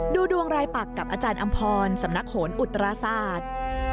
ดูดวงรายปักกับอาจารย์อำพรสำนักโหนอุตราศาสตร์